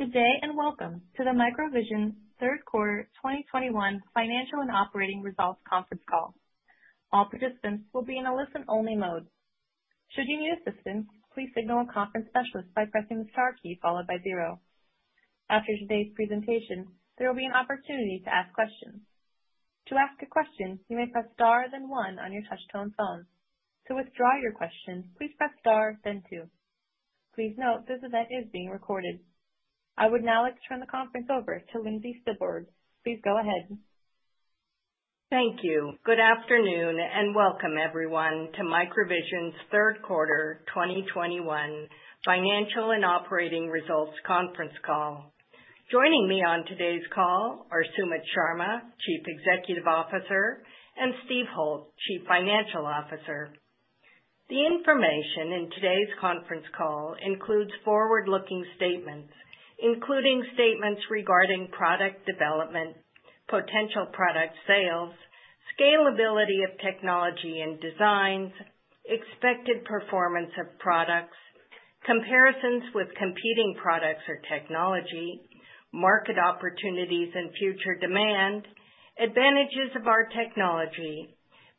Good day, and welcome to the MicroVision third quarter 2021 financial and operating results conference call. All participants will be in a listen-only mode. Should you need assistance, please signal a conference specialist by pressing the star key followed by zero. After today's presentation, there will be an opportunity to ask questions. To ask a question, you may press star then one on your touchtone phone. To withdraw your question, please press star then two. Please note this event is being recorded. I would now like to turn the conference over to Lindsey Stibbard. Please go ahead. Thank you. Good afternoon, and welcome everyone to MicroVision's third quarter 2021 financial and operating results conference call. Joining me on today's call are Sumit Sharma, Chief Executive Officer, and Steve Holt, Chief Financial Officer. The information in today's conference call includes forward-looking statements, including statements regarding product development, potential product sales, scalability of technology and designs, expected performance of products, comparisons with competing products or technology, market opportunities and future demand, advantages of our technology,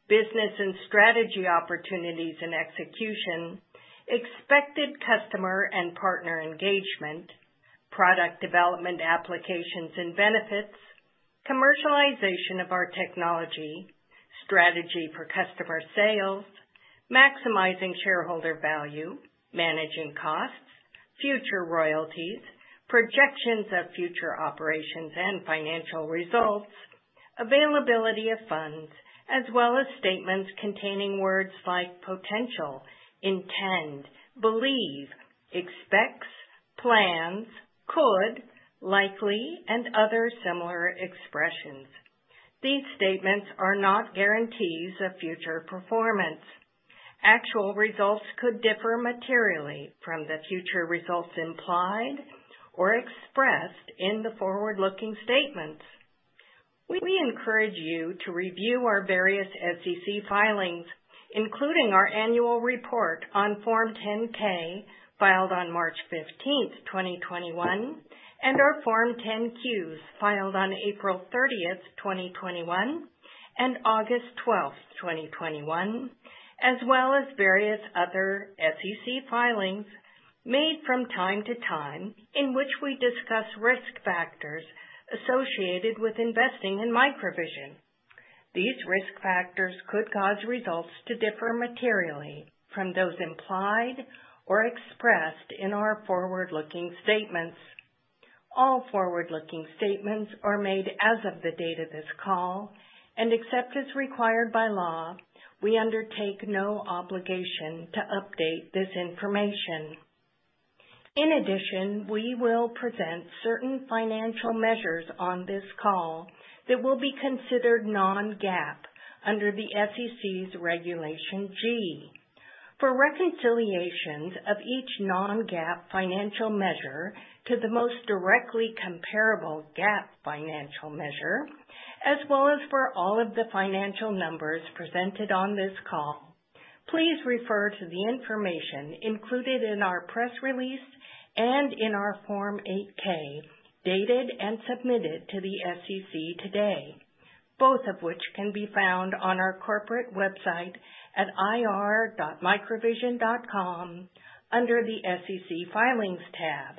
business and strategy opportunities and execution, expected customer and partner engagement, product development applications and benefits, commercialization of our technology, strategy for customer sales, maximizing shareholder value, managing costs, future royalties, projections of future operations and financial results, availability of funds, as well as statements containing words like potential, intend, believe, expects, plans, could, likely, and other similar expressions. These statements are not guarantees of future performance. Actual results could differ materially from the future results implied or expressed in the forward-looking statements. We encourage you to review our various SEC filings, including our annual report on Form 10-K filed on March 15, 2021, and our Form 10-Qs filed on April 30, 2021 and August 12, 2021, as well as various other SEC filings made from time to time in which we discuss risk factors associated with investing in MicroVision. These risk factors could cause results to differ materially from those implied or expressed in our forward-looking statements. All forward-looking statements are made as of the date of this call, and except as required by law, we undertake no obligation to update this information. In addition, we will present certain financial measures on this call that will be considered non-GAAP under the SEC's Regulation G. For reconciliations of each non-GAAP financial measure to the most directly comparable GAAP financial measure as well as for all of the financial numbers presented on this call, please refer to the information included in our press release and in our Form 8-K dated and submitted to the SEC today, both of which can be found on our corporate website at ir.microvision.com under the SEC Filings tab.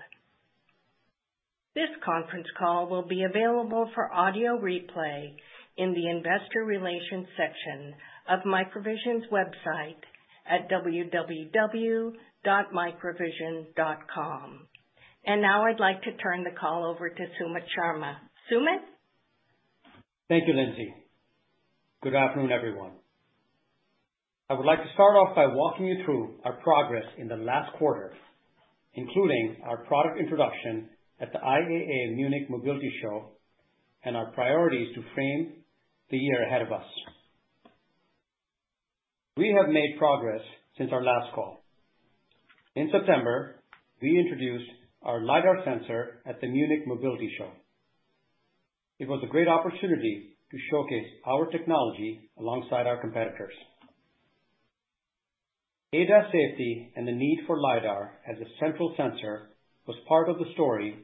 This conference call will be available for audio replay in the investor relations section of MicroVision's website at www.microvision.com. Now I'd like to turn the call over to Sumit Sharma. Sumit? Thank you, Lindsey. Good afternoon, everyone. I would like to start off by walking you through our progress in the last quarter, including our product introduction at the IAA Munich Mobility Show and our priorities to frame the year ahead of us. We have made progress since our last call. In September, we introduced our lidar sensor at the Munich Mobility Show. It was a great opportunity to showcase our technology alongside our competitors. ADAS safety and the need for lidar as a central sensor was part of the story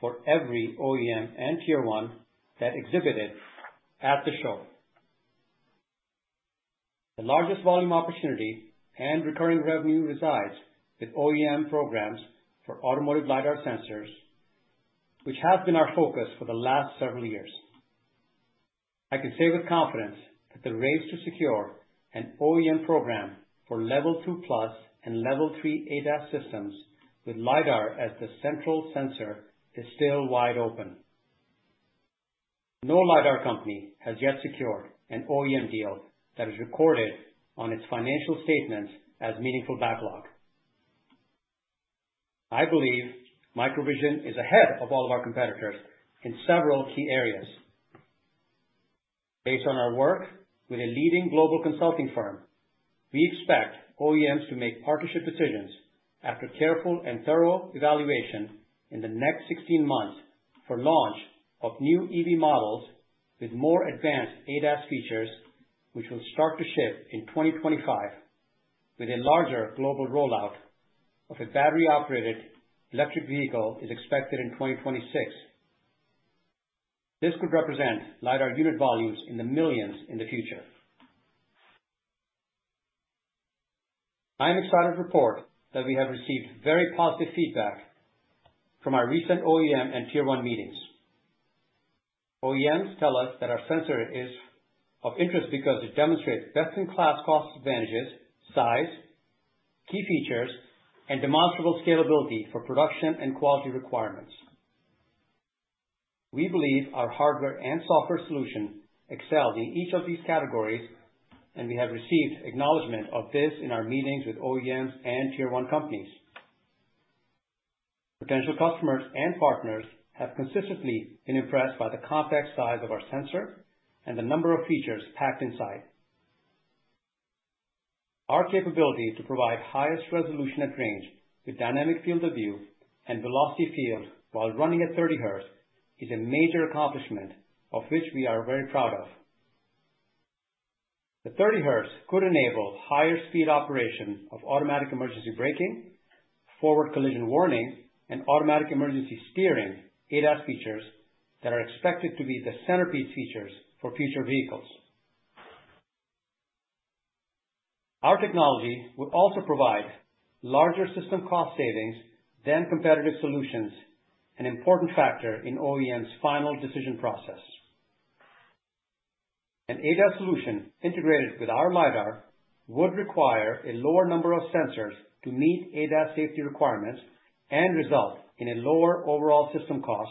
for every OEM and tier one that exhibited at the show. The largest volume opportunity and recurring revenue resides with OEM programs for automotive lidar sensors, which have been our focus for the last several years. I can say with confidence that the race to secure an OEM program for level two plus and level three ADAS systems with lidar as the central sensor is still wide open. No lidar company has yet secured an OEM deal that is recorded on its financial statements as meaningful backlog. I believe MicroVision is ahead of all of our competitors in several key areas. Based on our work with a leading global consulting firm, we expect OEMs to make partnership decisions after careful and thorough evaluation in the next 16 months for launch of new EV models with more advanced ADAS features, which will start to ship in 2025, with a larger global rollout of battery-operated electric vehicles expected in 2026. This could represent lidar unit volumes in the millions in the future. I am excited to report that we have received very positive feedback from our recent OEM and Tier One meetings. OEMs tell us that our sensor is of interest because it demonstrates best-in-class cost advantages, size, key features, and demonstrable scalability for production and quality requirements. We believe our hardware and software solution excel in each of these categories, and we have received acknowledgment of this in our meetings with OEMs and Tier One companies. Potential customers and partners have consistently been impressed by the compact size of our sensor and the number of features packed inside. Our capability to provide highest resolution at range with dynamic field of view and velocity field while running at 30 Hz is a major accomplishment of which we are very proud of. The 30 Hz could enable higher speed operation of automatic emergency braking, forward collision warning, and automatic emergency steering ADAS features that are expected to be the centerpiece features for future vehicles. Our technology will also provide larger system cost savings than competitive solutions, an important factor in OEM's final decision process. An ADAS solution integrated with our lidar would require a lower number of sensors to meet ADAS safety requirements and result in a lower overall system cost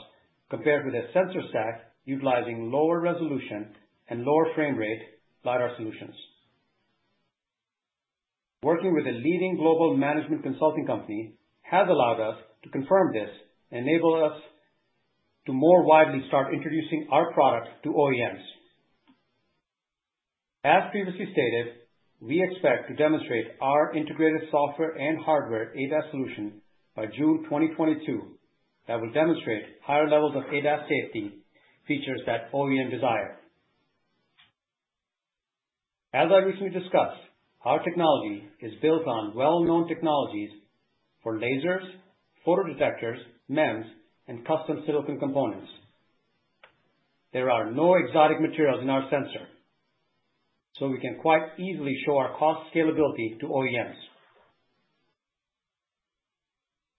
compared with a sensor stack utilizing lower resolution and lower frame rate lidar solutions. Working with a leading global management consulting company has allowed us to confirm this and enable us to more widely start introducing our products to OEMs. As previously stated, we expect to demonstrate our integrated software and hardware ADAS solution by June 2022 that will demonstrate higher levels of ADAS safety features that OEMs desire. As I recently discussed, our technology is built on well-known technologies for lasers, photodetectors, MEMS, and custom silicon components. There are no exotic materials in our sensor, so we can quite easily show our cost scalability to OEMs.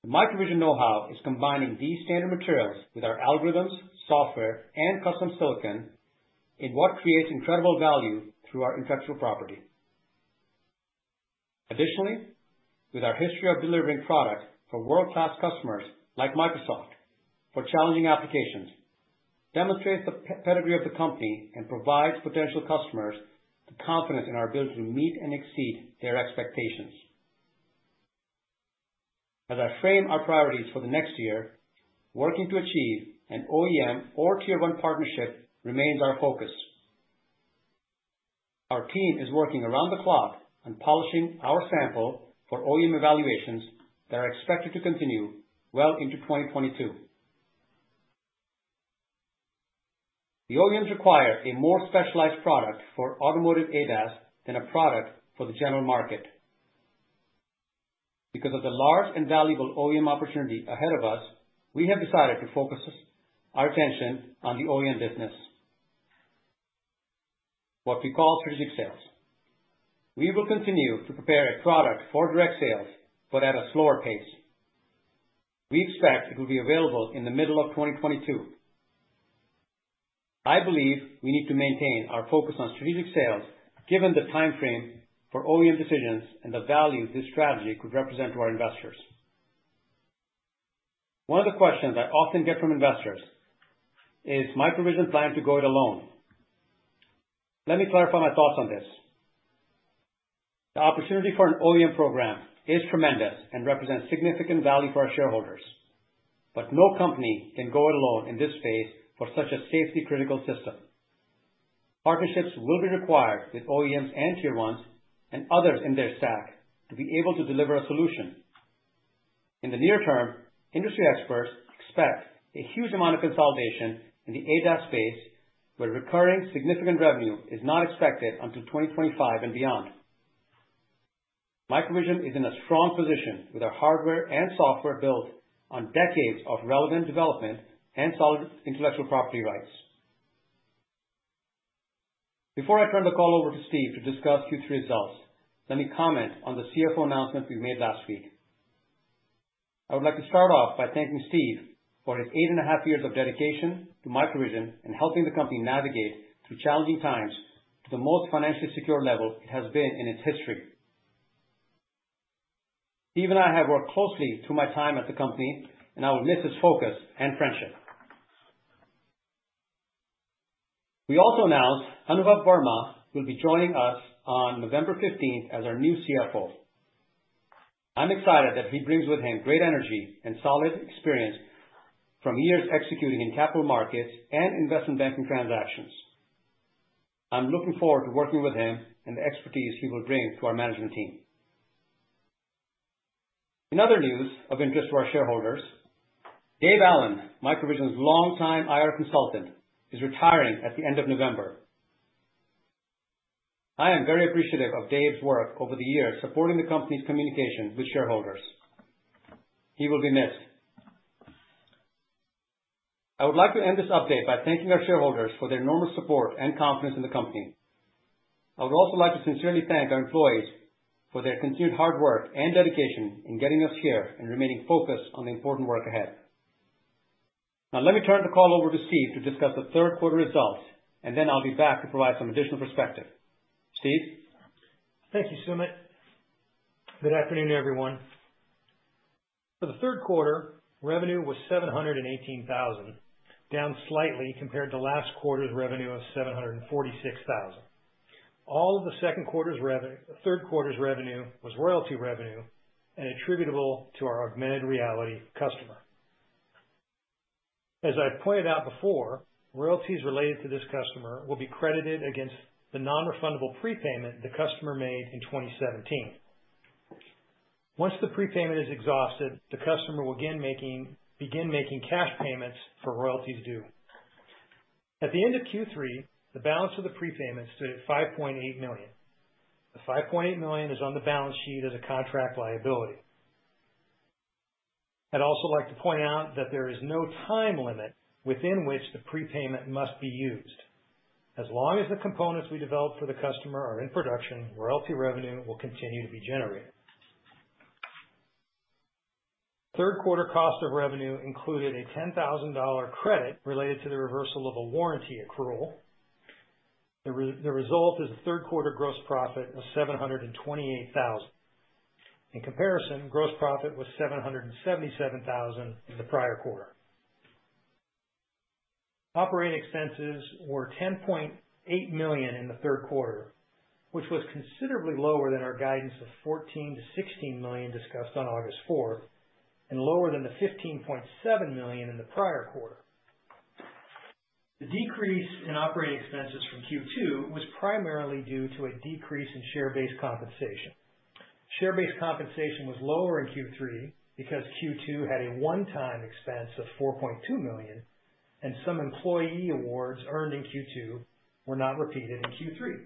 MicroVision know-how is combining these standard materials with our algorithms, software, and custom silicon in what creates incredible value through our intellectual property. Additionally, with our history of delivering products for world-class customers like Microsoft for challenging applications demonstrates the pedigree of the company and provides potential customers the confidence in our ability to meet and exceed their expectations. As I frame our priorities for the next year, working to achieve an OEM or Tier One partnership remains our focus. Our team is working around the clock on polishing our sample for OEM evaluations that are expected to continue well into 2022. The OEMs require a more specialized product for automotive ADAS than a product for the general market. Because of the large and valuable OEM opportunity ahead of us, we have decided to focus our attention on the OEM business, what we call strategic sales. We will continue to prepare a product for direct sales, but at a slower pace. We expect it will be available in the middle of 2022. I believe we need to maintain our focus on strategic sales given the timeframe for OEM decisions and the value this strategy could represent to our investors. One of the questions I often get from investors is, "Is MicroVision planning to go it alone?" Let me clarify my thoughts on this. The opportunity for an OEM program is tremendous and represents significant value for our shareholders, but no company can go it alone in this space for such a safety-critical system. Partnerships will be required with OEMs and Tier Ones and others in their stack to be able to deliver a solution. In the near term, industry experts expect a huge amount of consolidation in the ADAS space, where recurring significant revenue is not expected until 2025 and beyond. MicroVision is in a strong position with our hardware and software built on decades of relevant development and solid intellectual property rights. Before I turn the call over to Steve to discuss Q3 results, let me comment on the CFO announcement we made last week. I would like to start off by thanking Steve for his 8.5 years of dedication to MicroVision and helping the company navigate through challenging times to the most financially secure level it has been in its history. Steve and I have worked closely through my time at the company, and I will miss his focus and friendship. We also announced Anubhav Verma will be joining us on November 15 as our new CFO. I'm excited that he brings with him great energy and solid experience from years executing in capital markets and investment banking transactions. I'm looking forward to working with him and the expertise he will bring to our management team. In other news of interest to our shareholders, Dave Allen, MicroVision's longtime IR consultant, is retiring at the end of November. I am very appreciative of Dave's work over the years supporting the company's communication with shareholders. He will be missed. I would like to end this update by thanking our shareholders for their enormous support and confidence in the company. I would also like to sincerely thank our employees for their continued hard work and dedication in getting us here and remaining focused on the important work ahead. Now let me turn the call over to Steve to discuss the third quarter results, and then I'll be back to provide some additional perspective. Steve? Thank you, Sumit. Good afternoon, everyone. For the third quarter, revenue was $718,000, down slightly compared to last quarter's revenue of $746,000. All of the third quarter's revenue was royalty revenue and attributable to our augmented reality customer. As I pointed out before, royalties related to this customer will be credited against the non-refundable prepayment the customer made in 2017. Once the prepayment is exhausted, the customer will begin making cash payments for royalties due. At the end of Q3, the balance of the prepayment stood at $5.8 million. The $5.8 million is on the balance sheet as a contract liability. I'd also like to point out that there is no time limit within which the prepayment must be used. As long as the components we develop for the customer are in production, royalty revenue will continue to be generated. Third quarter cost of revenue included a $10,000 credit related to the reversal of a warranty accrual. The result is a third quarter gross profit of $728,000. In comparison, gross profit was $777,000 in the prior quarter. Operating expenses were $10.8 million in the third quarter, which was considerably lower than our guidance of $14 million-$16 million discussed on August fourth, and lower than the $15.7 million in the prior quarter. The decrease in operating expenses from Q2 was primarily due to a decrease in share-based compensation. Share-based compensation was lower in Q3 because Q2 had a one-time expense of $4.2 million, and some employee awards earned in Q2 were not repeated in Q3.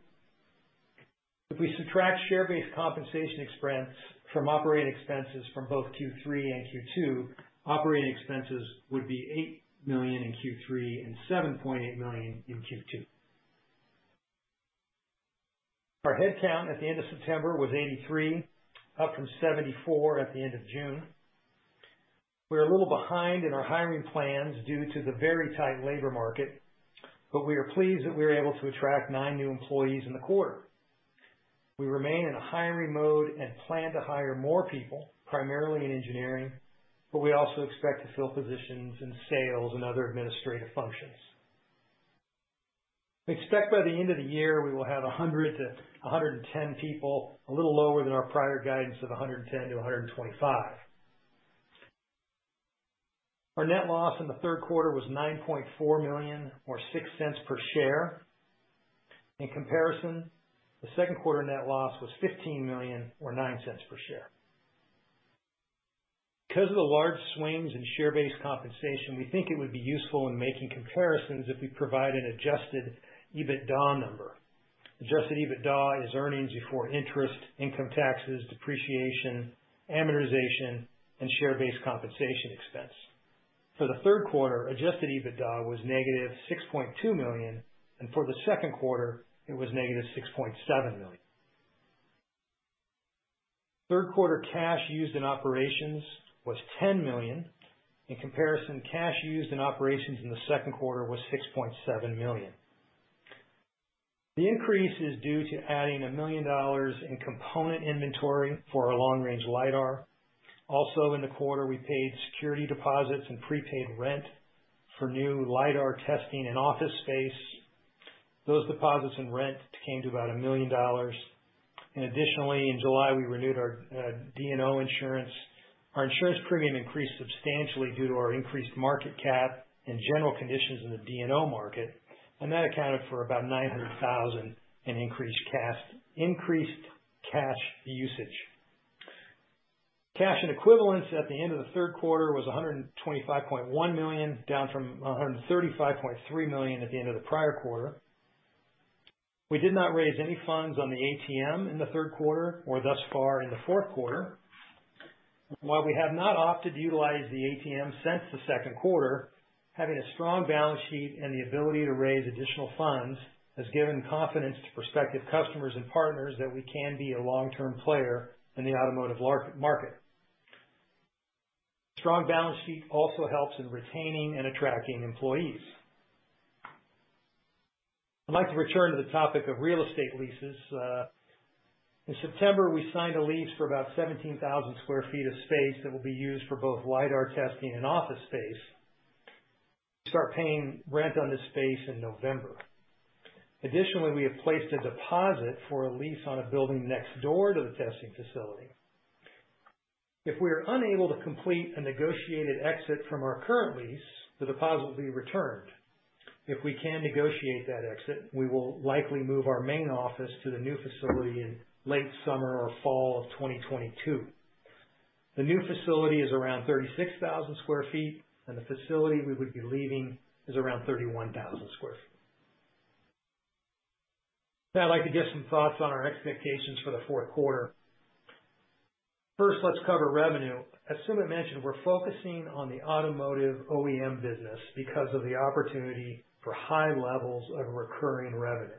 If we subtract share-based compensation expense from operating expenses from both Q3 and Q2, operating expenses would be $8 million in Q3 and $7.8 million in Q2. Our headcount at the end of September was 83, up from 74 at the end of June. We're a little behind in our hiring plans due to the very tight labor market, but we are pleased that we were able to attract nine new employees in the quarter. We remain in a hiring mode and plan to hire more people, primarily in engineering, but we also expect to fill positions in sales and other administrative functions. We expect by the end of the year we will have 100-110 people, a little lower than our prior guidance of 110-125. Our net loss in the third quarter was $9.4 million or $0.06 per share. In comparison, the second quarter net loss was $15 million or $0.09 per share. Because of the large swings in share-based compensation, we think it would be useful in making comparisons if we provide an adjusted EBITDA number. Adjusted EBITDA is earnings before interest, income taxes, depreciation, amortization, and share-based compensation expense. For the third quarter, adjusted EBITDA was negative $6.2 million, and for the second quarter, it was negative $6.7 million. Third quarter cash used in operations was $10 million. In comparison, cash used in operations in the second quarter was $6.7 million. The increase is due to adding $1 million in component inventory for our long-range lidar. Also in the quarter, we paid security deposits and prepaid rent for new lidar testing and office space. Those deposits and rent came to about $1 million. Additionally, in July, we renewed our D&O insurance. Our insurance premium increased substantially due to our increased market cap and general conditions in the D&O market, and that accounted for about $900,000 in increased cash usage. Cash and equivalents at the end of the third quarter was $125.1 million, down from $135.3 million at the end of the prior quarter. We did not raise any funds on the ATM in the third quarter or thus far in the fourth quarter. While we have not opted to utilize the ATM since the second quarter, having a strong balance sheet and the ability to raise additional funds has given confidence to prospective customers and partners that we can be a long-term player in the automotive market. Strong balance sheet also helps in retaining and attracting employees. I'd like to return to the topic of real estate leases. In September, we signed a lease for about 17,000 sq ft of space that will be used for both lidar testing and office space. We start paying rent on this space in November. Additionally, we have placed a deposit for a lease on a building next door to the testing facility. If we are unable to complete a negotiated exit from our current lease, the deposit will be returned. If we can negotiate that exit, we will likely move our main office to the new facility in late summer or fall of 2022. The new facility is around 36,000 sq ft, and the facility we would be leaving is around 31,000 sq ft. Now I'd like to give some thoughts on our expectations for the fourth quarter. First, let's cover revenue. As Sumit mentioned, we're focusing on the automotive OEM business because of the opportunity for high levels of recurring revenue.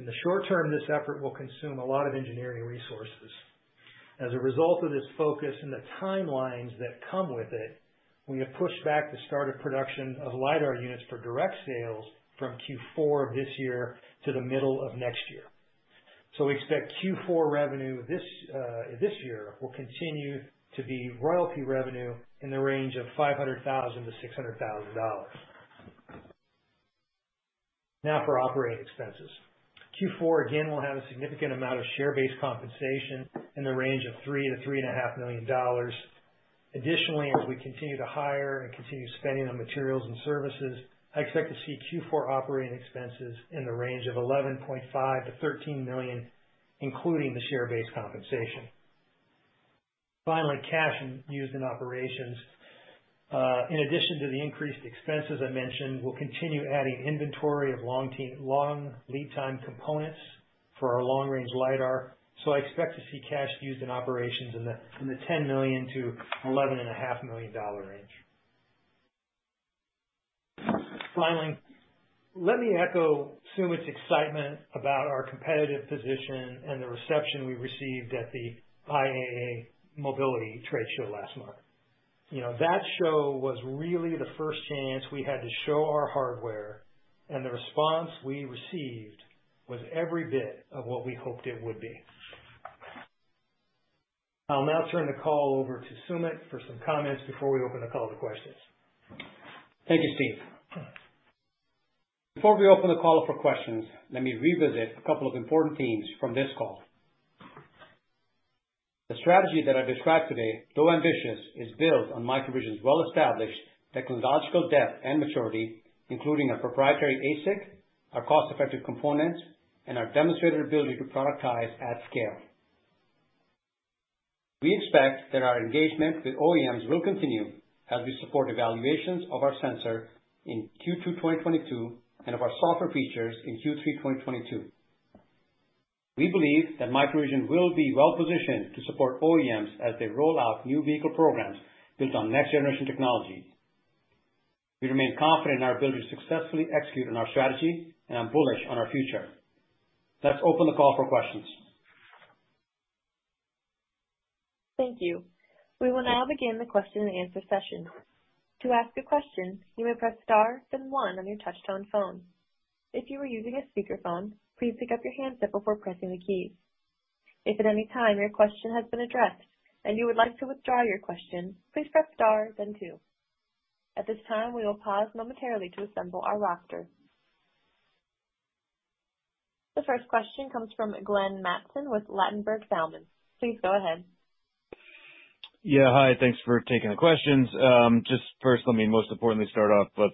In the short term, this effort will consume a lot of engineering resources. As a result of this focus and the timelines that come with it, we have pushed back the start of production of lidar units for direct sales from Q4 of this year to the middle of next year. We expect Q4 revenue this year will continue to be royalty revenue in the range of $500,000-$600,000. Now for operating expenses. Q4 again will have a significant amount of share-based compensation in the range of $3 million-$3.5 million. Additionally, as we continue to hire and continue spending on materials and services, I expect to see Q4 operating expenses in the range of $11.5 million-$13 million, including the share-based compensation. Finally, cash used in operations. In addition to the increased expenses I mentioned, we'll continue adding inventory of long lead time components for our long-range lidar. I expect to see cash used in operations in the $10 million-$11.5 million range. Finally, let me echo Sumit's excitement about our competitive position and the reception we received at the IAA Mobility Trade Show last month. You know, that show was really the first chance we had to show our hardware, and the response we received was every bit of what we hoped it would be. I'll now turn the call over to Sumit for some comments before we open the call to questions. Thank you, Steve. Before we open the call up for questions, let me revisit a couple of important themes from this call. The strategy that I described today, though ambitious, is built on MicroVision's well-established technological depth and maturity, including our proprietary ASIC, our cost-effective components, and our demonstrated ability to productize at scale. We expect that our engagement with OEMs will continue as we support evaluations of our sensor in Q2 2022 and of our software features in Q3 2022. We believe that MicroVision will be well-positioned to support OEMs as they roll out new vehicle programs built on next-generation technology. We remain confident in our ability to successfully execute on our strategy, and I'm bullish on our future. Let's open the call for questions. Thank you. We will now begin the question and answer session. To ask a question, you may press star then one on your touchtone phone. If you are using a speakerphone, please pick up your handset before pressing the key. If at any time your question has been addressed and you would like to withdraw your question, please press star then two. At this time, we will pause momentarily to assemble our roster. The first question comes from Glenn Mattson with Ladenburg Thalmann. Please go ahead. Yeah, hi, thanks for taking the questions. Just first, let me most importantly start off with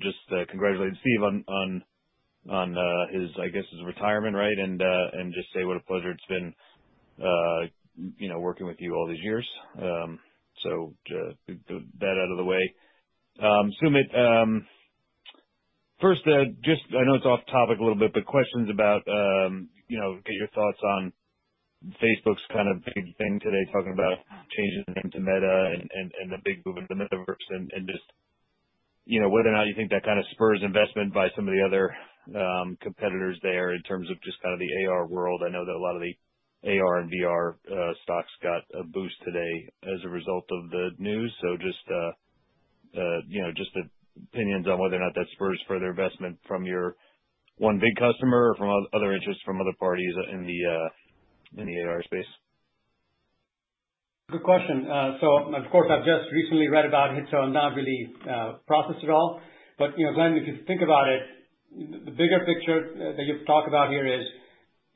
just congratulate Steve on his, I guess his retirement, right? Just say what a pleasure it's been, you know, working with you all these years. Get that out of the way. Sumit, first, just I know it's off topic a little bit, but questions about, you know, get your thoughts on Facebook's kind of big thing today, talking about changing the name to Meta and the big move into metaverse and just, you know, whether or not you think that kind of spurs investment by some of the other competitors there in terms of just kind of the AR world. I know that a lot of the AR and VR stocks got a boost today as a result of the news. Just, you know, just opinions on whether or not that spurs further investment from your one big customer or from other interests from other parties in the AR space. Good question. Of course, I've just recently read about it, so I've not really processed it all. You know, Glenn, if you think about it, the bigger picture that you've talked about here is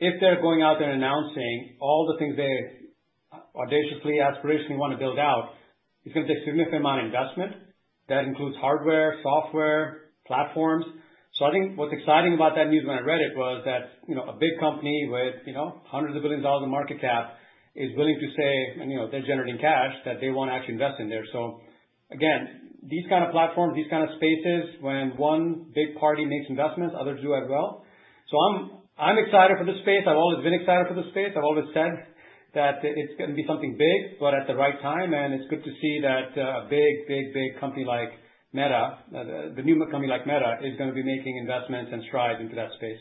if they're going out there announcing all the things they audaciously, aspirationally wanna build out, it's gonna take significant amount of investment. That includes hardware, software, platforms. I think what's exciting about that news when I read it was that, you know, a big company with, you know, hundreds of billion dollars in market cap is willing to say, and, you know, they're generating cash, that they wanna actually invest in there. Again, these kind of platforms, these kind of spaces, when one big party makes investments, others do as well. I'm excited for this space. I've always been excited for this space. I've always said that it's gonna be something big, but at the right time. It's good to see that a big company like Meta, the new company like Meta, is gonna be making investments and strides into that space.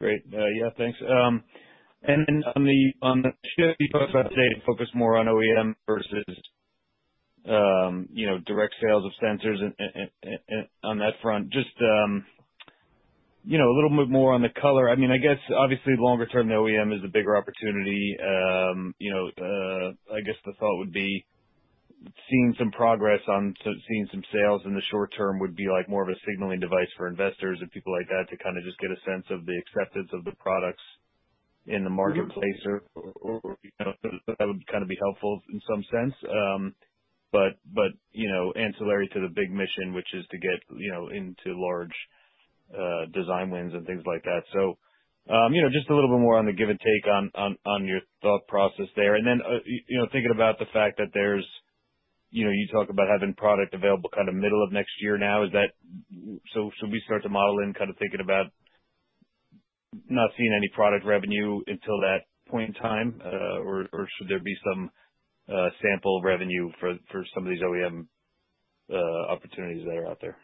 Great. Yeah, thanks. On the shift you talked about today to focus more on OEM versus, you know, direct sales of sensors on that front. Just, you know, a little bit more on the color. I mean, I guess obviously longer term OEM is a bigger opportunity. You know, I guess the thought would be seeing some progress on, so seeing some sales in the short term would be like more of a signaling device for investors and people like that to kind of just get a sense of the acceptance of the products in the marketplace or, you know, that would kind of be helpful in some sense. But, you know, ancillary to the big mission, which is to get, you know, into large design wins and things like that. Just a little bit more on the give and take on your thought process there. You know, thinking about the fact that you talk about having product available kind of middle of next year now, is that? Should we start to model in kind of thinking about not seeing any product revenue until that point in time, or should there be some sample revenue for some of these OEM opportunities that are out there?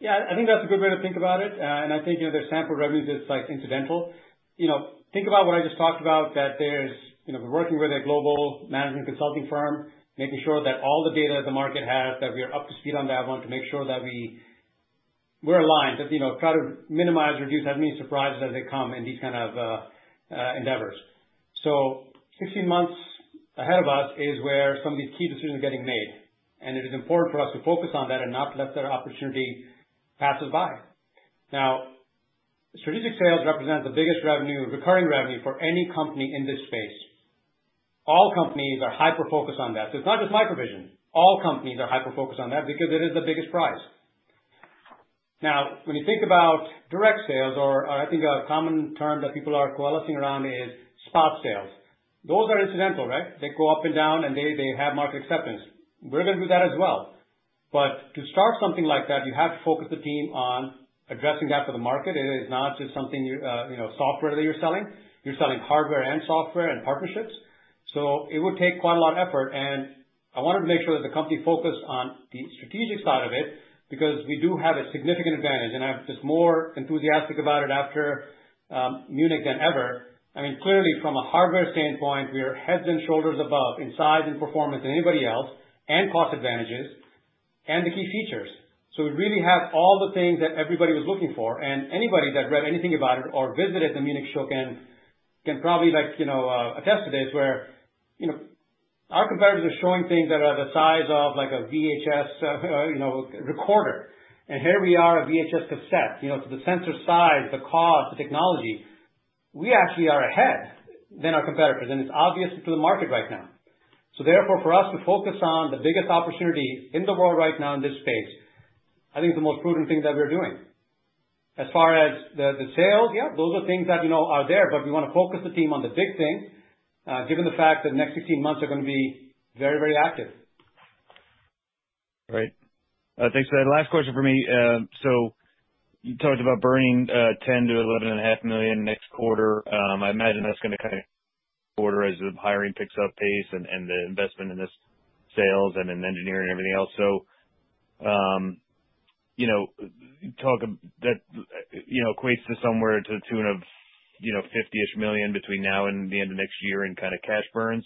Yeah, I think that's a good way to think about it. I think, you know, the sample revenue is like incidental. You know, think about what I just talked about, that there's, you know, working with a global management consulting firm, making sure that all the data the market has, that we are up to speed on that one to make sure that we're aligned. That, you know, try to minimize, reduce as many surprises as they come in these kind of endeavors. 16 months ahead of us is where some of these key decisions are getting made. It is important for us to focus on that and not let that opportunity pass us by. Now, strategic sales represent the biggest revenue, recurring revenue for any company in this space. All companies are hyper-focused on that. It's not just MicroVision. All companies are hyper-focused on that because it is the biggest prize. Now, when you think about direct sales or I think a common term that people are coalescing around is spot sales. Those are incidental, right? They go up and down and they have market acceptance. We're gonna do that as well. But to start something like that, you have to focus the team on addressing that to the market. It is not just something you're, you know, software that you're selling. You're selling hardware and software and partnerships. So it would take quite a lot of effort, and I wanted to make sure that the company focused on the strategic side of it because we do have a significant advantage. I'm just more enthusiastic about it after Munich than ever. I mean, clearly from a hardware standpoint, we are heads and shoulders above in size and performance than anybody else, and cost advantages and the key features. We really have all the things that everybody was looking for. Anybody that read anything about it or visited the Munich show can probably like, you know, attest to this where, you know, our competitors are showing things that are the size of like a VHS you know recorder. Here we are a VHS cassette, you know, so the sensor size, the cost, the technology, we actually are ahead than our competitors, and it's obvious to the market right now. Therefore, for us to focus on the biggest opportunity in the world right now in this space, I think is the most prudent thing that we're doing. As far as the sales, yeah, those are things that, you know, are there, but we wanna focus the team on the big things, given the fact that next 16 months are gonna be very, very active. Great. Thanks for that. Last question for me. You talked about burning $10 million-$11.5 million next quarter. I imagine that's gonna kinda quarter as the hiring picks up pace and the investment in the sales and in engineering, everything else. You know, that equates to somewhere to the tune of $50-ish million between now and the end of next year in kinda cash burn.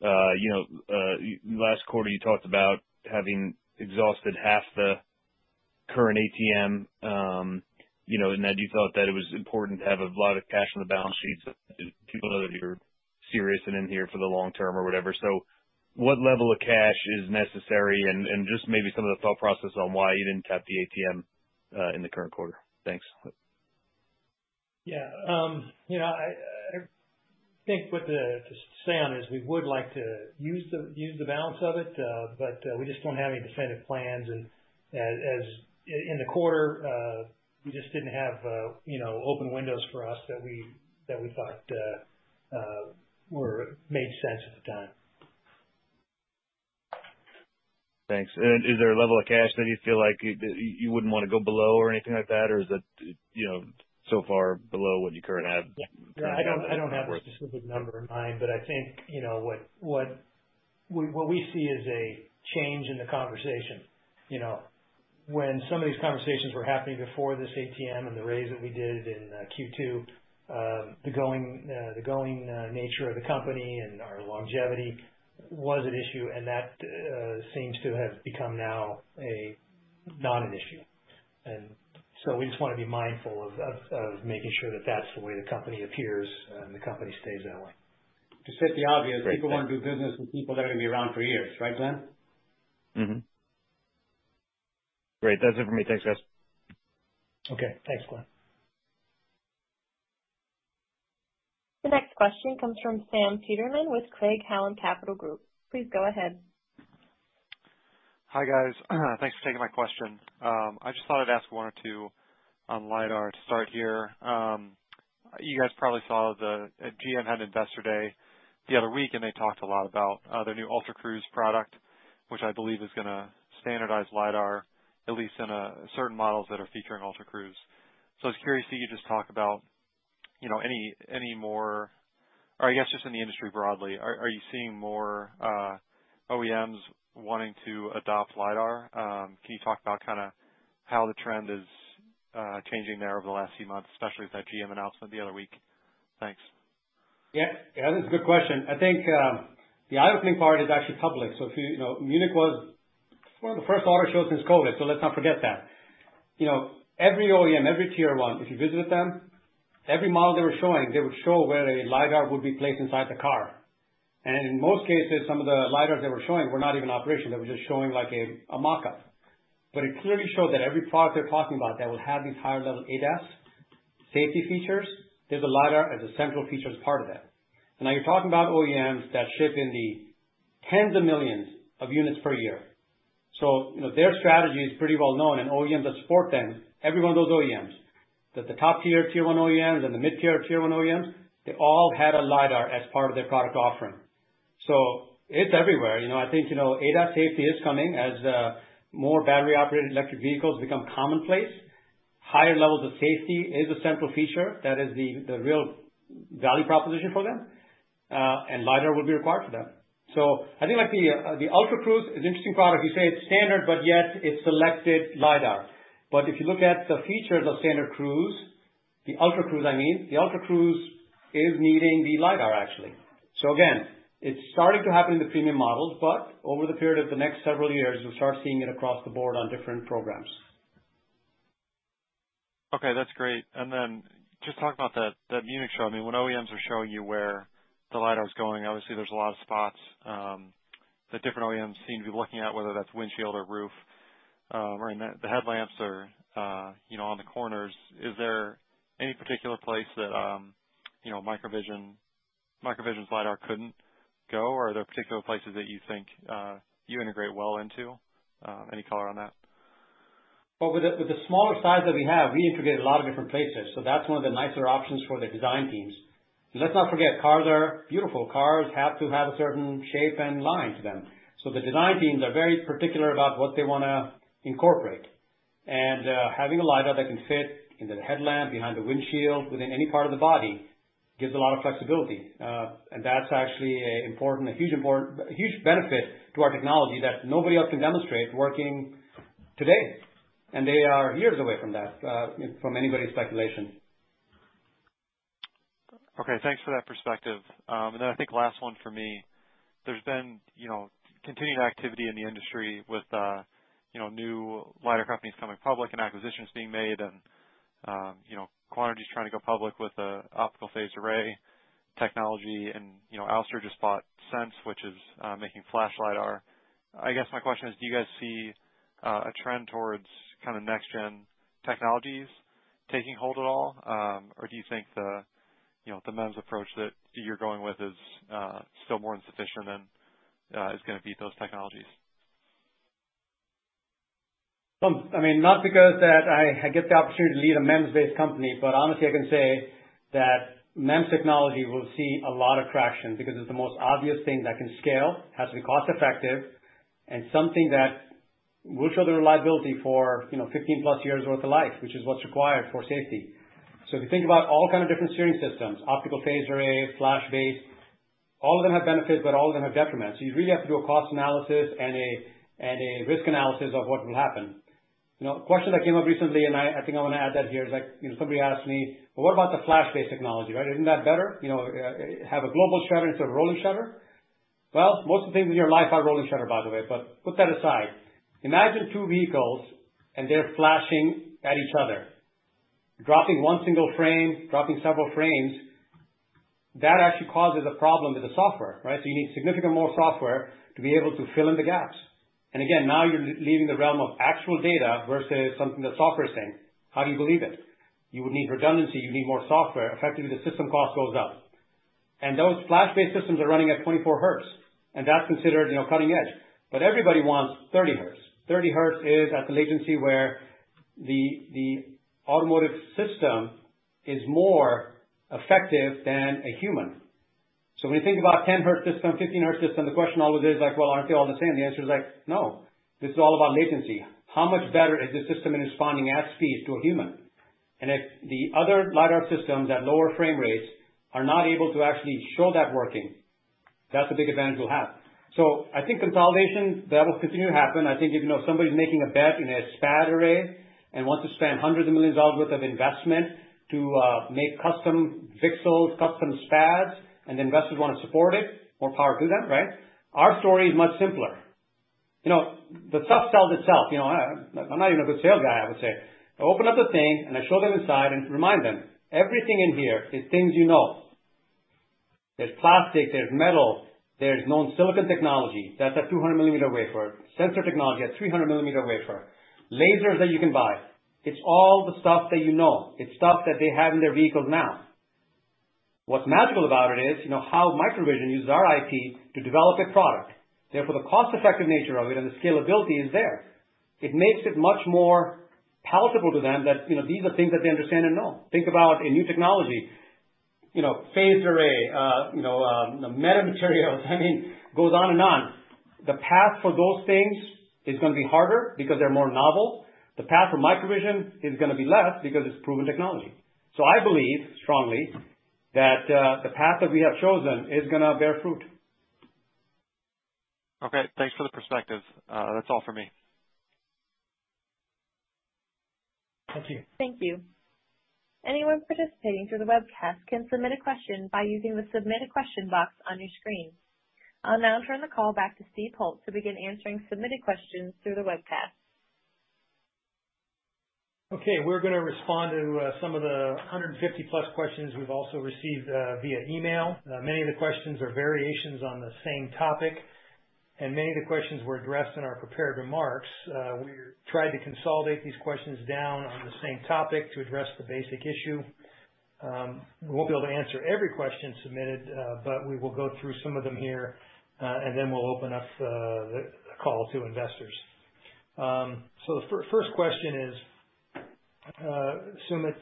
Last quarter you talked about having exhausted half the current ATM, and that you thought that it was important to have a lot of cash on the balance sheets so that people know that you're serious and in here for the long term or whatever. What level of cash is necessary? Just maybe some of the thought process on why you didn't tap the ATM in the current quarter? Thanks. Yeah. You know, I think what the sense is, we would like to use the balance of it, but we just don't have any definitive plans. As in the quarter, we just didn't have, you know, open windows for us that we thought made sense at the time. Thanks. Is there a level of cash that you feel like you wouldn't wanna go below or anything like that? Or is that, you know, so far below what you currently have? No, I don't have a specific number in mind, but I think, you know, what we see is a change in the conversation. You know, when some of these conversations were happening before this ATM and the raise that we did in Q2, the going nature of the company and our longevity was an issue, and that seems to have become now a non-issue. We just wanna be mindful of making sure that that's the way the company appears and the company stays that way. To state the obvious. Great. Thanks. People wanna do business with people that are gonna be around for years. Right, Glenn? Great. That's it for me. Thanks, guys. Okay. Thanks, Glenn. The next question comes from Sam Peterman with Craig-Hallum Capital Group. Please go ahead. Hi, guys. Thanks for taking my question. I just thought I'd ask one or two on lidar to start here. You guys probably saw the GM had Investor Day the other week, and they talked a lot about their new Ultra Cruise product, which I believe is gonna standardize lidar, at least in certain models that are featuring Ultra Cruise. I was curious, can you just talk about, you know, any more or I guess just in the industry broadly, are you seeing more OEMs wanting to adopt lidar? Can you talk about kinda how the trend is changing there over the last few months, especially with that GM announcement the other week? Thanks. Yeah. Yeah, that's a good question. I think, the eye-opening part is actually public. You know, Munich was one of the first auto shows since COVID, so let's not forget that. You know, every OEM, every tier one, if you visited with them, every model they were showing, they would show where a lidar would be placed inside the car. In most cases, some of the lidars they were showing were not even operational. They were just showing like a mock-up. It clearly showed that every product they're talking about that will have these higher level ADAS safety features, there's a lidar as a central feature as part of that. Now, you're talking about OEMs that ship in the tens of millions of units per year. You know, their strategy is pretty well known. OEMs that support them, every one of those OEMs, that the top tier one OEMs and the mid-tier, tier one OEMs, they all had a lidar as part of their product offering. It's everywhere. You know, I think, you know, ADAS safety is coming as more battery operated electric vehicles become commonplace. Higher levels of safety is a central feature that is the real value proposition for them, and lidar will be required for them. I think like the Ultra Cruise is an interesting product. You say it's standard, but yet it's selected lidar. But if you look at the features of Super Cruise, the Ultra Cruise, I mean, the Ultra Cruise is needing the lidar, actually. Again, it's starting to happen in the premium models, but over the period of the next several years, you'll start seeing it across the board on different programs. Okay, that's great. Just talk about that Munich show. I mean, when OEMs are showing you where the lidar is going, obviously there's a lot of spots that different OEMs seem to be looking at, whether that's windshield or roof, or in the headlamps or, you know, on the corners. Is there any particular place that, you know, MicroVision's lidar couldn't go? Or are there particular places that you think you integrate well into? Any color on that? With the smaller size that we have, we integrate a lot of different places. That's one of the nicer options for the design teams. Let's not forget, cars are beautiful. Cars have to have a certain shape and line to them. The design teams are very particular about what they wanna incorporate. Having a lidar that can fit in the headlamp, behind the windshield, within any part of the body, gives a lot of flexibility. That's actually a huge benefit to our technology that nobody else can demonstrate working today. They are years away from that, from anybody's speculation. Okay, thanks for that perspective. I think last one for me. There's been, you know, continued activity in the industry with, you know, new lidar companies coming public and acquisitions being made and, you know, Quanergy's trying to go public with the optical phased array technology. Ouster just bought Sense, which is making flash lidar. I guess my question is, do you guys see a trend towards kind of next gen technologies taking hold at all? Or do you think the, you know, the MEMS approach that you're going with is still more than sufficient and is gonna beat those technologies? I mean, not because that I get the opportunity to lead a MEMS-based company, but honestly, I can say that MEMS technology will see a lot of traction because it's the most obvious thing that can scale, has to be cost effective, and something that will show the reliability for, you know, 15+ years worth of life, which is what's required for safety. If you think about all kind of different steering systems, optical phased array, flash-based, all of them have benefits, but all of them have detriments. You really have to do a cost analysis and a risk analysis of what will happen. You know, a question that came up recently, and I think I wanna add that here, is like, you know, somebody asked me, "Well, what about the flash-based technology, right? Isn't that better? You know, have a global shutter instead of rolling shutter? Well, most of the things in your life are rolling shutter, by the way. Put that aside. Imagine two vehicles, and they're flashing at each other. Dropping one single frame, dropping several frames, that actually causes a problem with the software, right? You need significant more software to be able to fill in the gaps. Again, now you're leaving the realm of actual data versus something the software is saying, How do you believe it? You would need redundancy. You need more software. Effectively, the system cost goes up. Those flash-based systems are running at 24 hertz, and that's considered, you know, cutting edge. Everybody wants 30 hertz. 30 hertz is at the latency where the automotive system is more effective than a human. When you think about 10 hertz system, 15 hertz system, the question always is like, "Well, aren't they all the same?" The answer is like, "No." This is all about latency. How much better is the system in responding at speeds to a human? If the other lidar systems at lower frame rates are not able to actually show that working, that's a big advantage we'll have. I think consolidation, that will continue to happen. I think even though somebody's making a bet in a SPAD array and wants to spend $hundreds of millions worth of investment to make custom VCSELs, custom SPADs, and investors wanna support it, more power to them, right? Our story is much simpler. You know, the stuff sells itself. You know, I'm not even a good sales guy, I would say. I open up the thing, and I show them inside and remind them, everything in here is things you know. There's plastic, there's metal, there's known silicon technology that's a 200-millimeter wafer, sensor technology, a 300-millimeter wafer, lasers that you can buy. It's all the stuff that you know. It's stuff that they have in their vehicles now. What's magical about it is, you know, how MicroVision uses our IP to develop a product. Therefore, the cost-effective nature of it and the scalability is there. It makes it much more palatable to them that, you know, these are things that they understand and know. Think about a new technology, you know, phased array, you know, metamaterials, I mean, goes on and on. The path for those things is gonna be harder because they're more novel. The path for MicroVision is gonna be less because it's proven technology. I believe strongly that the path that we have chosen is gonna bear fruit. Okay, thanks for the perspective. That's all for me. Thank you. Thank you. Anyone participating through the webcast can submit a question by using the Submit a Question box on your screen. I'll now turn the call back to Steve Holt to begin answering submitted questions through the webcast. Okay, we're gonna respond to some of the 150-plus questions we've also received via e-mail. Many of the questions are variations on the same topic, and many of the questions were addressed in our prepared remarks. We tried to consolidate these questions down on the same topic to address the basic issue. We won't be able to answer every question submitted, but we will go through some of them here, and then we'll open up the call to investors. The first question is, Sumit,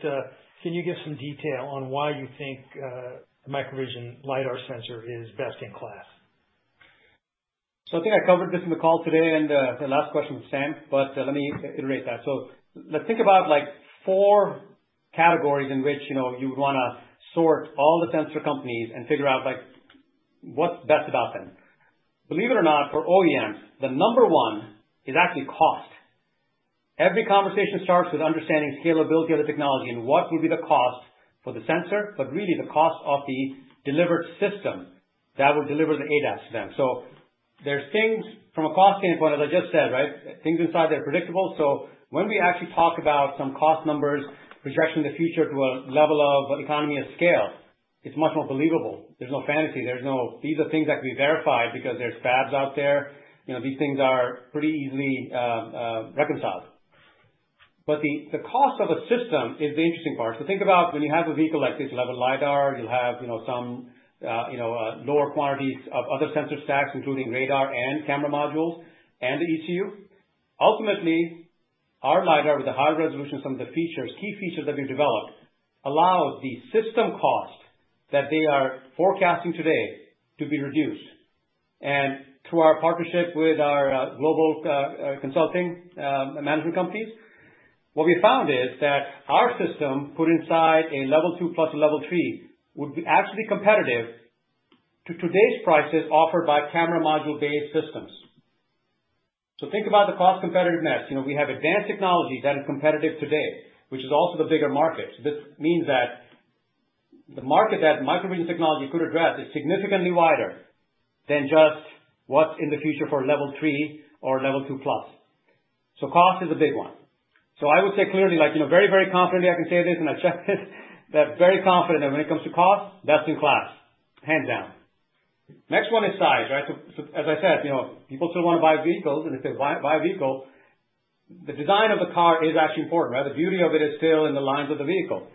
can you give some detail on why you think the MicroVision lidar sensor is best in class? I think I covered this in the call today and, the last question with Sam, but, let me iterate that. Let's think about, like, four categories in which, you know, you would wanna sort all the sensor companies and figure out, like, what's best about them. Believe it or not, for OEMs, the number one is actually cost. Every conversation starts with understanding scalability of the technology and what will be the cost for the sensor, but really the cost of the delivered system that will deliver the ADAS to them. There's things from a cost standpoint, as I just said, right? Things inside that are predictable. When we actually talk about some cost numbers, projection in the future to a level of economy of scale, it's much more believable. These are things that can be verified because there's fabs out there. You know, these things are pretty easily reconciled. But the cost of a system is the interesting part. So think about when you have a vehicle like this, you'll have a lidar, you'll have, you know, some lower quantities of other sensor stacks, including radar and camera modules and the ECU. Ultimately, our lidar with the high resolution, some of the features, key features that we've developed, allow the system cost that they are forecasting today to be reduced. Through our partnership with our global consulting management companies, what we found is that our system put inside a level two plus a level three would be absolutely competitive to today's prices offered by camera module-based systems. Think about the cost competitiveness. You know, we have advanced technologies that are competitive today, which is also the bigger market. This means that the market that MicroVision technology could address is significantly wider than just what's in the future for level three or level two plus. Cost is a big one. I would say clearly, like, you know, very, very confidently, I can say this, and I've checked it, that very confident that when it comes to cost, best in class, hands down. Next one is size, right? So as I said, you know, people still wanna buy vehicles and if they buy a vehicle, the design of the car is actually important, right? The beauty of it is still in the lines of the vehicle.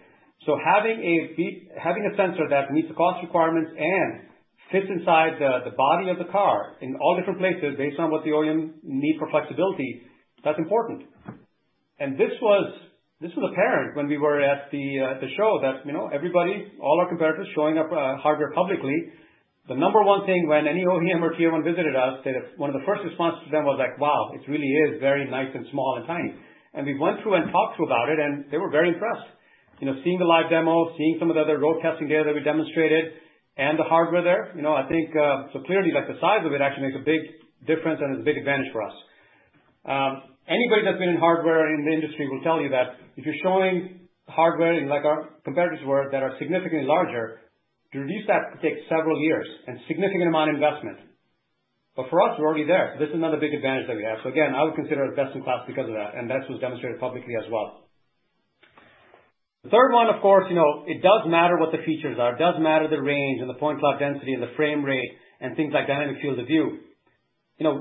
Having a sensor that meets the cost requirements and fits inside the body of the car in all different places based on what the OEM need for flexibility, that's important. This was apparent when we were at the show that, you know, everybody, all our competitors showing up hardware publicly. The number one thing when any OEM or Tier 1 visited us, one of the first responses to them was like, "Wow, it really is very nice and small and tiny." We went through and talked about it and they were very impressed. You know, seeing the live demo, seeing some of the other road testing data that we demonstrated and the hardware there. You know, I think, so clearly, like, the size of it actually makes a big difference and is a big advantage for us. Anybody that's been in hardware in the industry will tell you that if you're showing hardware like our competitors were, that are significantly larger, to reduce that takes several years and significant amount of investment. But for us, we're already there. This is another big advantage that we have. Again, I would consider it best in class because of that, and that was demonstrated publicly as well. The third one, of course, you know, it does matter what the features are. It does matter the range and the point cloud density and the frame rate and things like dynamic field of view. You know,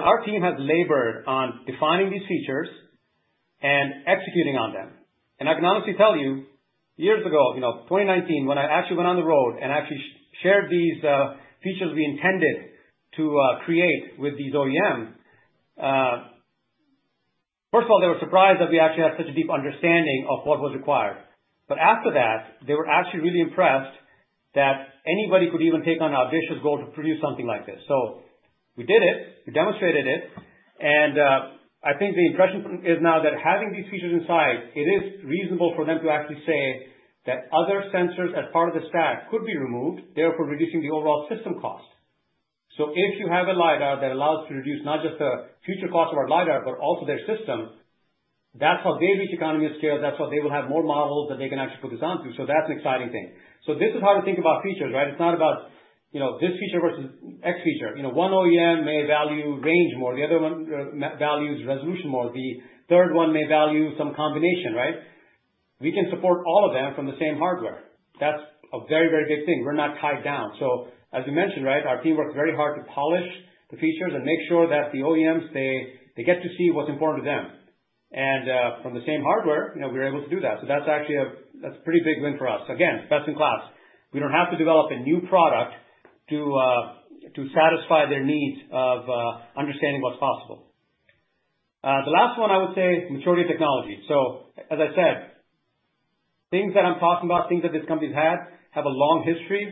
our team has labored on defining these features and executing on them. I can honestly tell you, years ago, you know, 2019, when I actually went on the road and actually shared these features we intended to create with these OEMs, first of all, they were surprised that we actually had such a deep understanding of what was required. After that, they were actually really impressed that anybody could even take on an ambitious goal to produce something like this. We did it, we demonstrated it, and I think the impression is now that having these features inside, it is reasonable for them to actually say that other sensors as part of the stack could be removed, therefore reducing the overall system cost. If you have a lidar that allows to reduce not just the future cost of our lidar, but also their system, that's how they reach economy of scale. That's how they will have more models that they can actually put this onto. That's an exciting thing. This is how to think about features, right? It's not about, you know, this feature versus X feature. You know, one OEM may value range more, the other one, values resolution more. The third one may value some combination, right? We can support all of them from the same hardware. That's a very, very big thing. We're not tied down. As you mentioned, right, our team works very hard to polish the features and make sure that the OEMs, they get to see what's important to them. From the same hardware, you know, we're able to do that. That's actually a pretty big win for us. Again, best in class. We don't have to develop a new product to satisfy their needs of understanding what's possible. The last one I would say, maturity of technology. As I said, things that I'm talking about, things that this company's had, have a long history.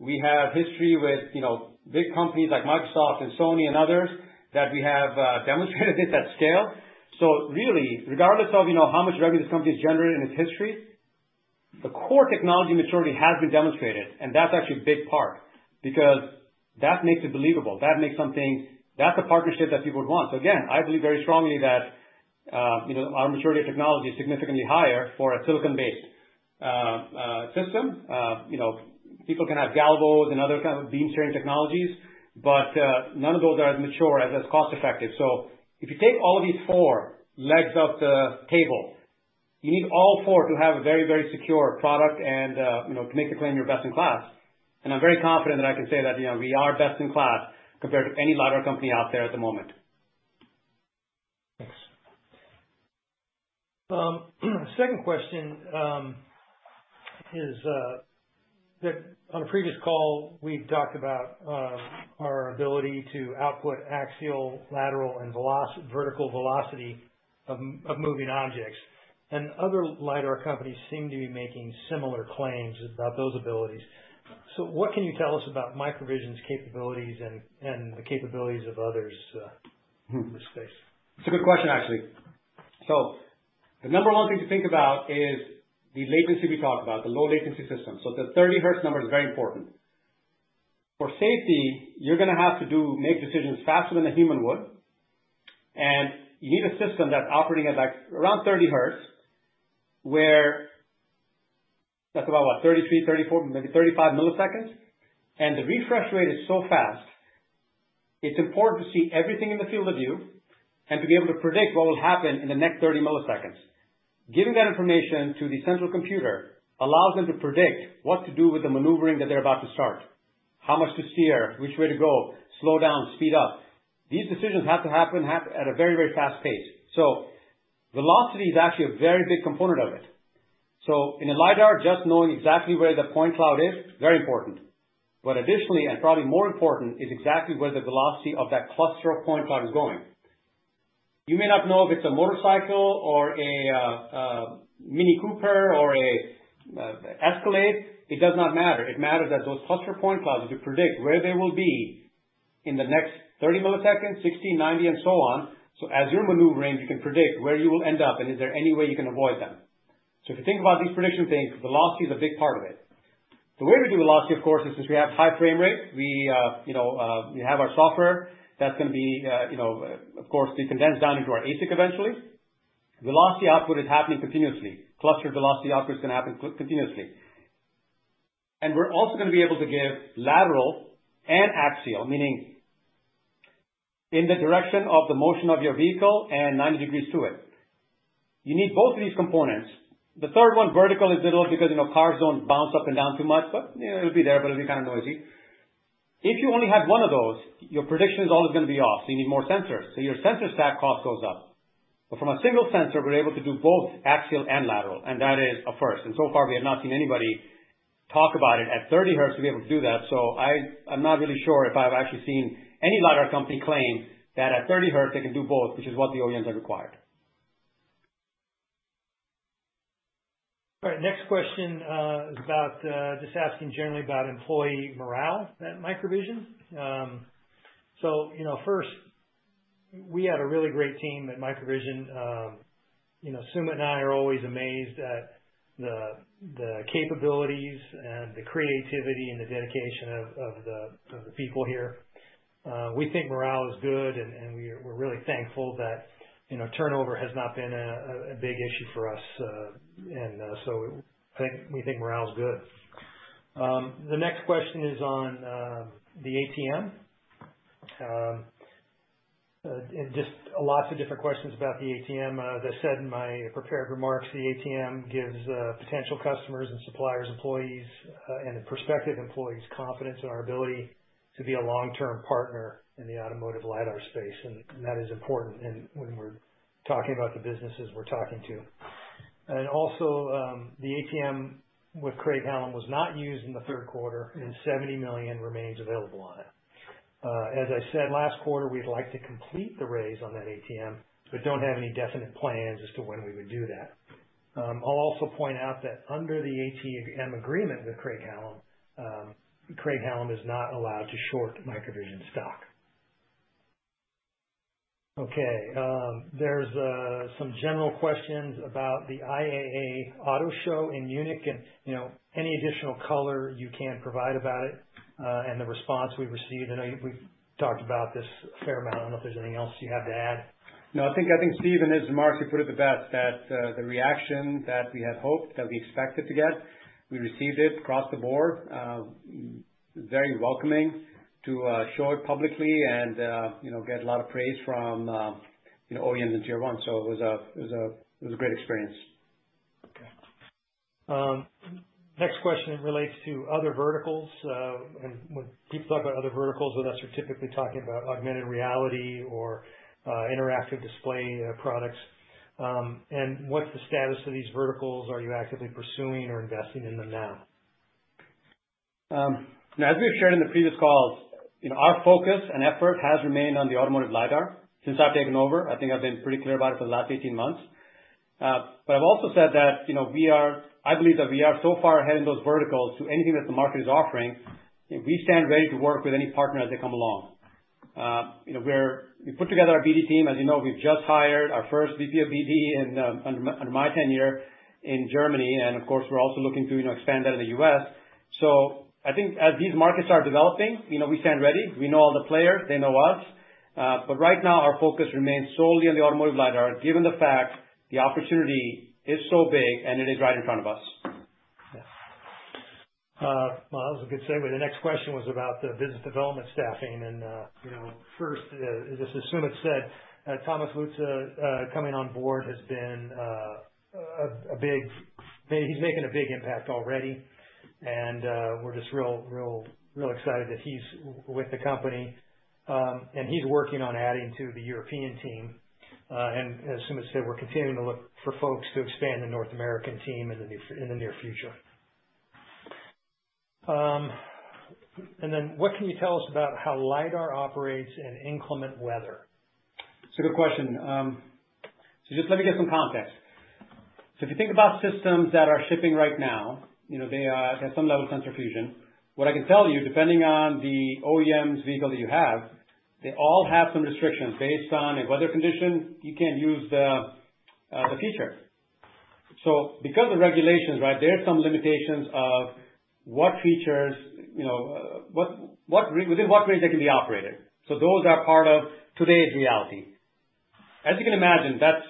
We have history with, you know, big companies like Microsoft and Sony and others that we have demonstrated it at scale. Really, regardless of, you know, how much revenue this company has generated in its history, the core technology maturity has been demonstrated. That's actually a big part because that makes it believable. That's a partnership that people would want. Again, I believe very strongly that, you know, our maturity of technology is significantly higher for a silicon-based system. You know, people can have galvos and other kind of beam sharing technologies, but none of those are as mature and as cost effective. So if you take all of these four legs of the table, you need all four to have a very, very secure product and you know, to make the claim you're best in class. I'm very confident that I can say that, you know, we are best in class compared to any lidar company out there at the moment. Thanks. Second question, is that on a previous call, we talked about our ability to output axial, lateral, and vertical velocity of moving objects. Other lidar companies seem to be making similar claims about those abilities. What can you tell us about MicroVision's capabilities and the capabilities of others in this space? It's a good question, actually. The number 1 thing to think about is the latency we talked about, the low latency system. The 30 hertz number is very important. For safety, you're gonna have to make decisions faster than a human would. You need a system that's operating at like around 30 hertz, where that's about, what, 33, 34, maybe 35 milliseconds. The refresh rate is so fast, it's important to see everything in the field of view and to be able to predict what will happen in the next 30 milliseconds. Giving that information to the central computer allows them to predict what to do with the maneuvering that they're about to start. How much to steer, which way to go, slow down, speed up. These decisions have to happen at a very fast pace. Velocity is actually a very big component of it. In a lidar, just knowing exactly where the point cloud is, very important. Additionally, and probably more important, is exactly where the velocity of that cluster of point cloud is going. You may not know if it's a motorcycle or a Mini Cooper or a Escalade. It does not matter. It matters that those cluster point clouds, you predict where they will be in the next 30 milliseconds, 60, 90, and so on. As you're maneuvering, you can predict where you will end up and is there any way you can avoid them. If you think about these prediction things, velocity is a big part of it. The way we do velocity, of course, is since we have high frame rate, we, you know, we have our software that's gonna be, you know, of course, be condensed down into our ASIC eventually. Velocity output is happening continuously. Cluster velocity output is gonna happen continuously. We're also gonna be able to give lateral and axial, meaning in the direction of the motion of your vehicle and 90 degrees to it. You need both of these components. The third one, vertical, is little because, you know, cars don't bounce up and down too much, but, you know, it'll be there, but it'll be kind of noisy. If you only had one of those, your prediction is always gonna be off, so you need more sensors. Your sensor stack cost goes up. From a single sensor, we're able to do both axial and lateral, and that is a first. So far, we have not seen anybody talk about it at 30 hertz to be able to do that. I'm not really sure if I've actually seen any lidar company claim that at 30 hertz they can do both, which is what the OEMs have required. All right. Next question is about just asking generally about employee morale at MicroVision. You know, first, we have a really great team at MicroVision. You know, Sumit and I are always amazed at the capabilities and the creativity and the dedication of the people here. We think morale is good and we're really thankful that, you know, turnover has not been a big issue for us. We think morale is good. The next question is on the ATM. Just lots of different questions about the ATM. As I said in my prepared remarks, the ATM gives potential customers and suppliers, employees, and prospective employees confidence in our ability to be a long-term partner in the automotive lidar space. That is important in when we're talking about the businesses we're talking to. The ATM with Craig-Hallum was not used in the third quarter, and $70 million remains available on it. As I said last quarter, we'd like to complete the raise on that ATM, but don't have any definite plans as to when we would do that. I'll also point out that under the ATM agreement with Craig-Hallum, Craig-Hallum is not allowed to short MicroVision stock. There's some general questions about the IAA Auto Show in Munich and, you know, any additional color you can provide about it, and the response we received. I know we've talked about this a fair amount. I don't know if there's anything else you have to add. No, I think Steve, as Mark, you put it the best, that the reaction that we had hoped, that we expected to get, we received it across the board. Very welcoming to show it publicly and, you know, get a lot of praise from, you know, OEMs and Tier 1s. It was a great experience. Okay. Next question relates to other verticals. When people talk about other verticals with us, we're typically talking about augmented reality or interactive display products. What's the status of these verticals? Are you actively pursuing or investing in them now? As we have shared in the previous calls, you know, our focus and effort has remained on the automotive lidar since I've taken over. I think I've been pretty clear about it for the last 18 months. But I've also said that, you know, I believe that we are so far ahead in those verticals of anything that the market is offering, and we stand ready to work with any partner as they come along. You know, we put together our BD team. As you know, we've just hired our first VP of BD under my tenure in Germany. Of course, we're also looking to, you know, expand that in the U.S. I think as these markets are developing, you know, we stand ready. We know all the players. They know us. Right now our focus remains solely on the automotive lidar, given the fact the opportunity is so big and it is right in front of us. Yeah. Well, that was a good segue. The next question was about the business development staffing. You know, first, as Sumit said, Thomas Luce coming on board has been. He's making a big impact already, and we're just real excited that he's with the company. He's working on adding to the European team. As Sumit said, we're continuing to look for folks to expand the North American team in the near future. What can you tell us about how lidar operates in inclement weather? It's a good question. Just let me give some context. If you think about systems that are shipping right now, you know, they have some level of sensor fusion. What I can tell you, depending on the OEM's vehicle that you have, they all have some restrictions. Based on a weather condition, you can't use the feature. Because of regulations, right, there are some limitations of what features, you know, within what range they can be operated. Those are part of today's reality. As you can imagine, that's,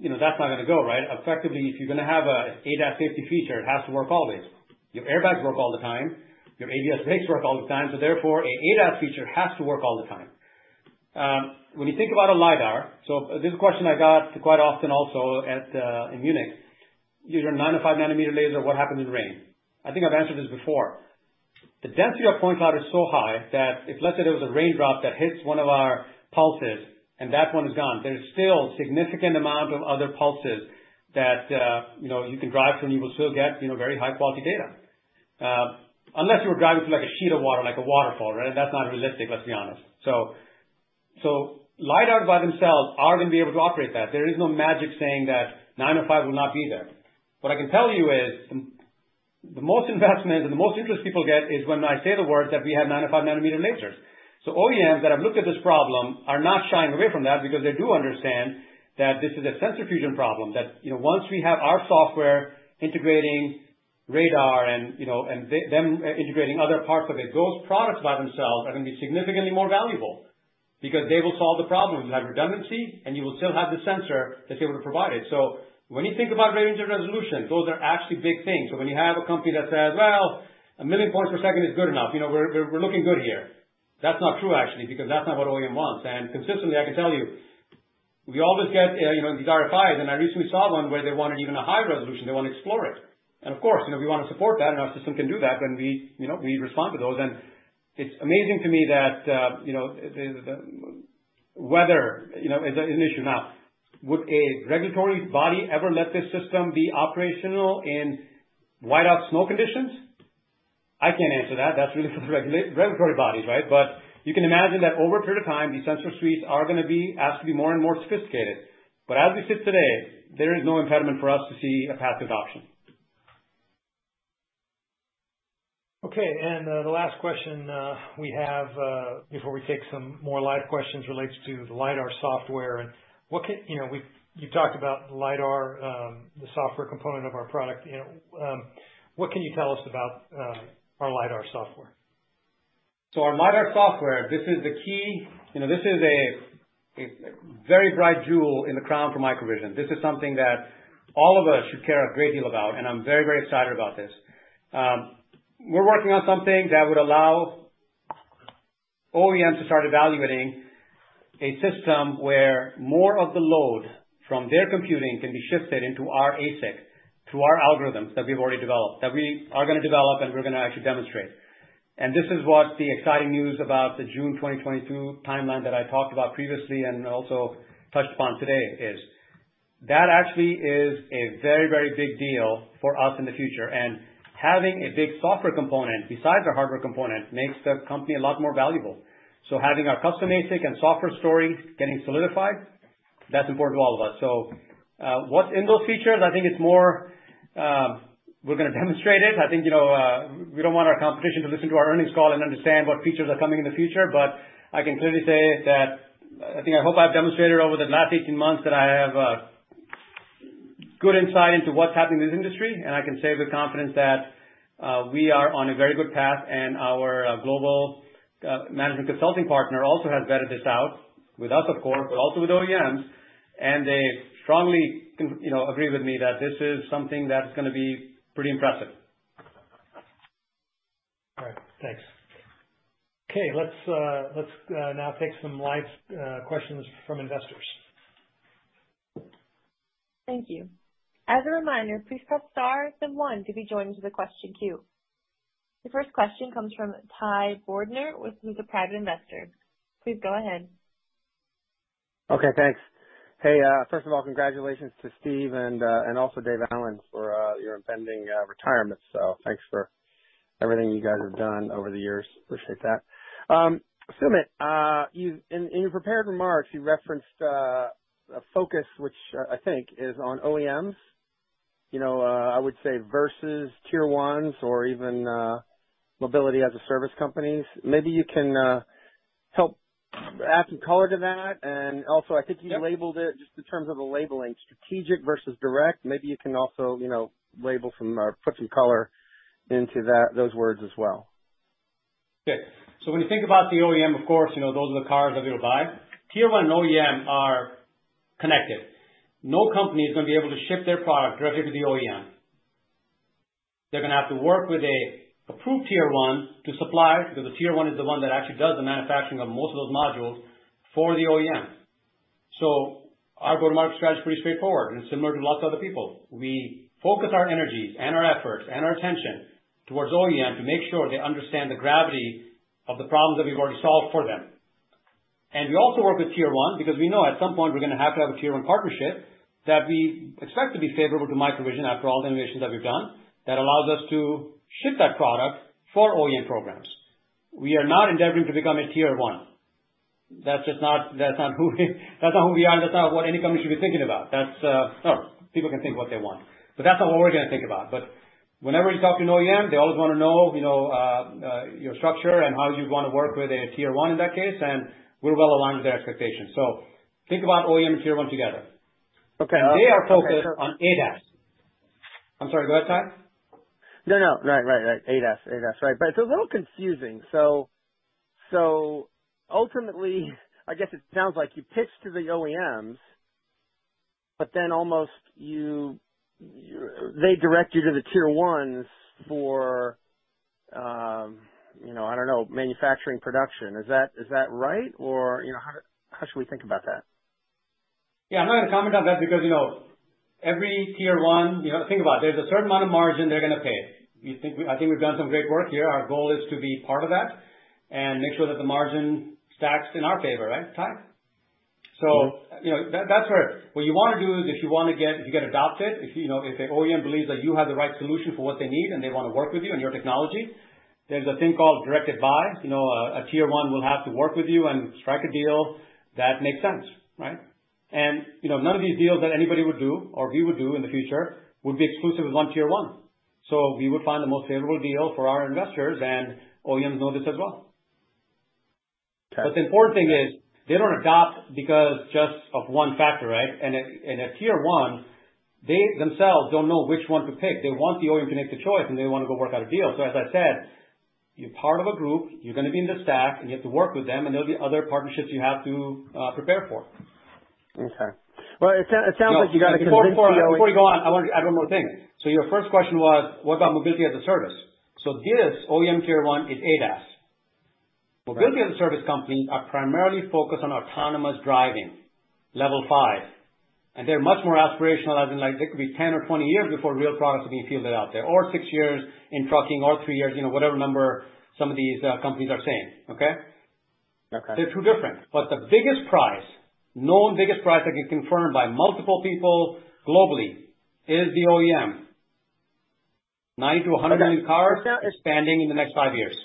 you know, not gonna go, right? Effectively, if you're gonna have an ADAS safety feature, it has to work always. Your airbags work all the time. Your ABS brakes work all the time. Therefore, an ADAS feature has to work all the time. When you think about a lidar, this is a question I got quite often also at in Munich. These are 905 nanometer laser. What happens in rain? I think I've answered this before. The density of point cloud is so high that if, let's say, there was a raindrop that hits one of our pulses and that one is gone, there's still significant amount of other pulses that you know you can drive from. You will still get you know very high quality data. Unless you were driving through, like, a sheet of water, like a waterfall, right? That's not realistic, let's be honest. Lidar by themselves are gonna be able to operate that. There is no magic saying that 905 will not be there. What I can tell you is the most investment and the most interest people get is when I say the words that we have 905 nanometer lasers. OEMs that have looked at this problem are not shying away from that because they do understand that this is a sensor fusion problem, that, you know, once we have our software integrating radar and, you know, and them integrating other parts of it, those products by themselves are gonna be significantly more valuable because they will solve the problem. You have redundancy, and you will still have the sensor that's able to provide it. So when you think about range and resolution, those are actually big things. So when you have a company that says, "Well, 1 million points per second is good enough, you know. We're looking good here." That's not true, actually, because that's not what OEM wants. Consistently, I can tell you, we always get, you know, these RFIs, and I recently saw one where they wanted even a higher resolution. They wanna explore it. Of course, you know, we wanna support that, and our system can do that when we, you know, respond to those. It's amazing to me that, you know, the weather, you know, is an issue now. Would a regulatory body ever let this system be operational in whiteout snow conditions? I can't answer that. That's really for the regulatory bodies, right? You can imagine that over a period of time, these sensor suites are gonna be has to be more and more sophisticated. As we sit today, there is no impediment for us to see a path to adoption. Okay. The last question we have before we take some more live questions relates to the lidar software. You know, you talked about lidar, the software component of our product. You know, what can you tell us about our lidar software? Our lidar software, this is the key. You know, this is a very bright jewel in the crown for MicroVision. This is something that all of us should care a great deal about, and I'm very, very excited about this. We're working on something that would allow OEMs to start evaluating a system where more of the load from their computing can be shifted into our ASIC, to our algorithms that we've already developed, that we are gonna develop and we're gonna actually demonstrate. This is what the exciting news about the June 2022 timeline that I talked about previously and also touched upon today is. That actually is a very, very big deal for us in the future. Having a big software component besides our hardware component makes the company a lot more valuable. Having our custom ASIC and software story getting solidified, that's important to all of us. What's in those features? I think it's more. We're gonna demonstrate it. I think we don't want our competition to listen to our earnings call and understand what features are coming in the future. I can clearly say that, I think I hope I've demonstrated over the last 18 months that I have good insight into what's happening in this industry, and I can say with confidence that we are on a very good path. Our global management consulting partner also has vetted this out with us, of course, but also with OEMs, and they strongly agree with me that this is something that's gonna be pretty impressive. All right. Thanks. Okay, let's now take some live questions from investors. Thank you. As a reminder, please press star then one to be joined to the question queue. The first question comes from Ty Bordner with Newsworthy Private Investors. Please go ahead. Okay, thanks. Hey, first of all, congratulations to Steve and also Dave Allen for your impending retirement. Thanks for everything you guys have done over the years. Appreciate that. Sumit, in your prepared remarks, you referenced a focus which I think is on OEMs, you know, I would say versus tier ones or even mobility as a service companies. Maybe you can help add some color to that. I think you labeled it just in terms of the labeling, strategic versus direct. Maybe you can also, you know, label some or put some color into those words as well. Okay. When you think about the OEM, of course, you know, those are the cars that we will buy. Tier 1 and OEM are connected. No company is gonna be able to ship their product directly to the OEM. They're gonna have to work with an approved Tier 1 to supply because the Tier 1 is the one that actually does the manufacturing of most of those modules for the OEM. Our go-to-market strategy is pretty straightforward, and it's similar to lots of other people. We focus our energies and our efforts and our attention toward OEM to make sure they understand the gravity of the problems that we've already solved for them. We also work with tier one because we know at some point we're gonna have to have a tier one partnership that we expect to be favorable to MicroVision after all the innovations that we've done that allows us to ship that product for OEM programs. We are not endeavoring to become a tier one. That's just not who we are, and that's not what any company should be thinking about. Well, people can think what they want, but that's not what we're gonna think about. Whenever you talk to an OEM, they always wanna know your structure and how you'd wanna work with a tier one in that case, and we're well aligned with their expectations. Think about OEM and tier one together. Okay. They are focused on ADAS. I'm sorry. Go ahead, Tai. No. Right. ADAS. Right. It's a little confusing. Ultimately, I guess it sounds like you pitch to the OEMs, but then almost they direct you to the tier ones for, you know, I don't know, manufacturing production. Is that right? Or, you know, how should we think about that? Yeah, I'm not gonna comment on that because, you know, every tier one, you know, think about it. There's a certain amount of margin they're gonna pay. We think. I think we've done some great work here. Our goal is to be part of that and make sure that the margin stacks in our favor, right, Tai? Mm-hmm. You know, that's where what you wanna do is if you get adopted, you know, if the OEM believes that you have the right solution for what they need and they wanna work with you and your technology, there's a thing called direct buy. You know, a tier one will have to work with you and strike a deal that makes sense, right? You know, none of these deals that anybody would do or we would do in the future would be exclusive with one tier one. We would find the most favorable deal for our investors, and OEMs know this as well. Okay. The important thing is they don't adopt because just of one factor, right? A tier one, they themselves don't know which one to pick. They want the OEM to make the choice, and they wanna go work out a deal. As I said, you're part of a group, you're gonna be in the stack, and you have to work with them, and there'll be other partnerships you have to prepare for. Okay. Well, it sounds like you gotta convince the OEM. Before you go on, I wanted to add one more thing. Your first question was, what about mobility as a service? This OEM tier one is ADAS. Right. Mobility as a service companies are primarily focused on autonomous driving, level 5, and they're much more aspirational, as in, like, it could be 10 or 20 years before real products are being fielded out there, or six years in trucking or three years, you know, whatever number some of these companies are saying. Okay? Okay. They're two different. The biggest prize that gets confirmed by multiple people globally is the OEM. 90-100 million cars shipping in the next five years.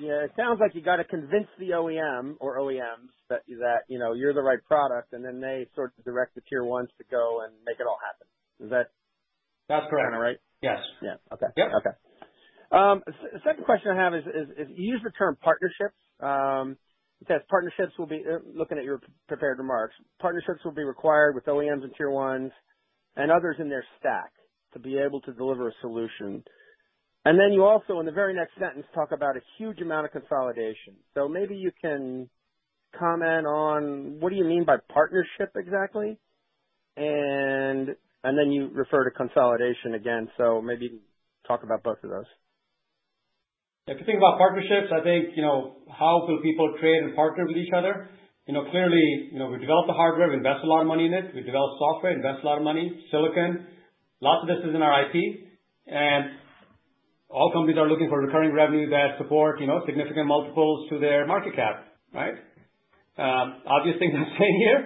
Yeah. It sounds like you gotta convince the OEM or OEMs that, you know, you're the right product, and then they sort of direct the tier ones to go and make it all happen. Is that- That's correct. Kinda right? Yes. Yeah. Okay. Yeah. Okay. Second question I have is you use the term partnerships. It says partnerships will be looking at your prepared remarks. Partnerships will be required with OEMs and tier ones and others in their stack to be able to deliver a solution. You also, in the very next sentence, talk about a huge amount of consolidation. Maybe you can comment on what do you mean by partnership, exactly? Then you refer to consolidation again. Maybe talk about both of those. If you think about partnerships, I think, you know, how do people create and partner with each other? You know, clearly, you know, we develop the hardware. We invest a lot of money in it. We develop software, invest a lot of money, silicon. Lots of this is in our IP. All companies are looking for recurring revenue that support, you know, significant multiples to their market cap, right? Obvious thing to say here,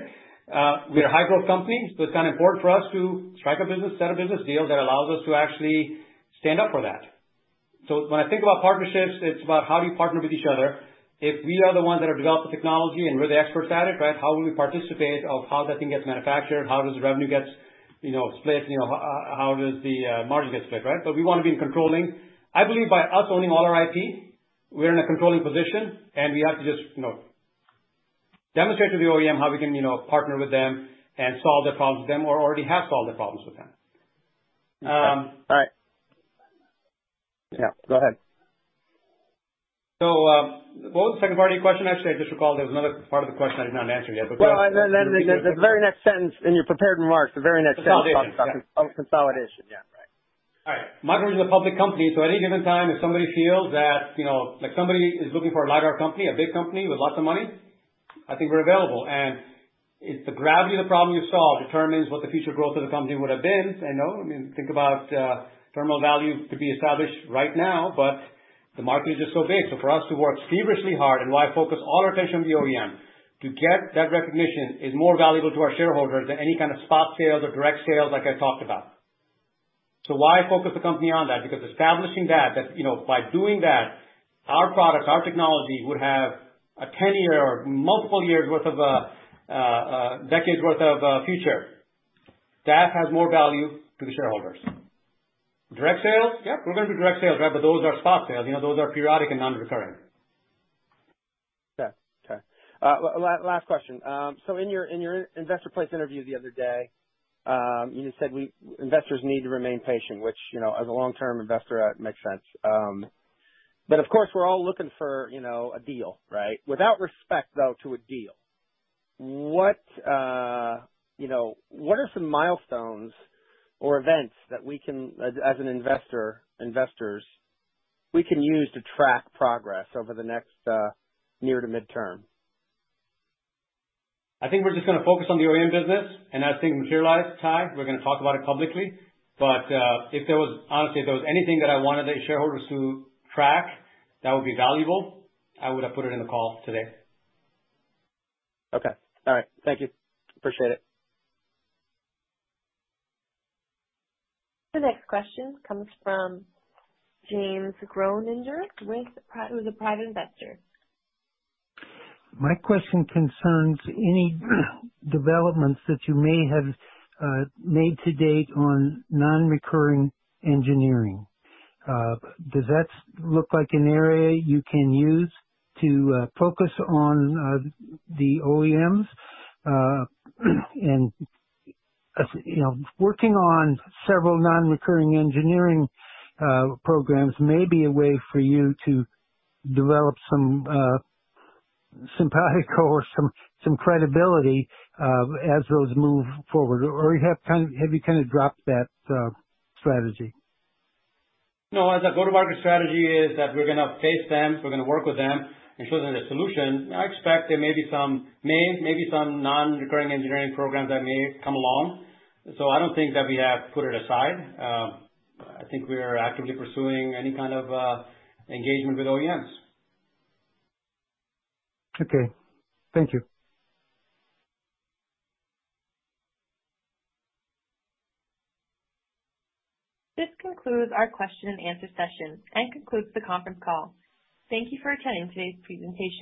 we're a high growth company, so it's kind of important for us to strike a business, set a business deal that allows us to actually stand up for that. When I think about partnerships, it's about how do you partner with each other. If we are the ones that have developed the technology and we're the experts at it, right, how will we participate of how that thing gets manufactured? How does the revenue gets, you know, split? You know, how does the margin get split, right? We wanna be in controlling. I believe by us owning all our IP, we're in a controlling position, and we have to just, you know, demonstrate to the OEM how we can, you know, partner with them and solve their problems with them or already have solved their problems with them. All right. Yeah, go ahead. What was the second part of your question? Actually, I just recall there was another part of the question I did not answer yet, but go ahead. Can you repeat it? Well, the very next sentence in your prepared remarks. Consolidation. Yeah. Talks about consolidation. Yeah. Right. All right. Micro is a public company, so at any given time, if somebody feels that, you know, like somebody is looking for a lighter company, a big company with lots of money, I think we're available. If the gravity of the problem you solve determines what the future growth of the company would've been, you know, I mean, think about, terminal value to be established right now, but the market is just so big. For us to work feverishly hard, and why focus all our attention on the OEM to get that recognition is more valuable to our shareholders than any kind of spot sales or direct sales like I talked about. Why focus the company on that? Because establishing that, you know, by doing that, our products, our technology would have a ten-year or multiple years worth of decades worth of future. That has more value to the shareholders. Direct sales? Yeah. We're gonna do direct sales, right? But those are spot sales. You know, those are periodic and non-recurring. Okay. Last question. In your InvestorPlace interview the other day, you just said investors need to remain patient, which, you know, as a long-term investor, it makes sense. Of course, we're all looking for, you know, a deal, right? With respect to a deal, what, you know, are some milestones or events that we can, as investors, use to track progress over the next near- to midterm? I think we're just gonna focus on the OEM business, and as things materialize, Ty, we're gonna talk about it publicly. Honestly, if there was anything that I wanted the shareholders to track that would be valuable, I would have put it in the call today. Okay. All right. Thank you. Appreciate it. The next question comes from James Groninger with is a private investor. My question concerns any developments that you may have made to date on non-recurring engineering. Does that look like an area you can use to focus on the OEMs? And as you know, working on several non-recurring engineering programs may be a way for you to develop some simpatico or some credibility as those move forward. Have you kind of dropped that strategy? No. As our go-to-market strategy is that we're gonna face them, we're gonna work with them and show them the solution. I expect there may be some NREs, may be some non-recurring engineering programs that may come along. I don't think that we have put it aside. I think we are actively pursuing any kind of engagement with OEMs. Okay. Thank you. This concludes our question and answer session and concludes the conference call. Thank you for attending today's presentation.